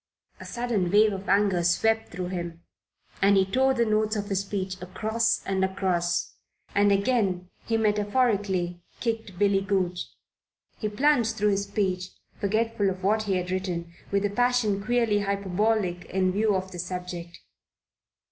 A sudden wave of anger swept through him and he tore the notes of his speech across and across, and again he metaphorically kicked Billy Goodge. He plunged into his speech, forgetful of what he had written, with a passion queerly hyperbolic in view of the subject.